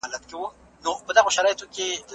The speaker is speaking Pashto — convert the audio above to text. ناحقه ګټه د ایمان زیان دی.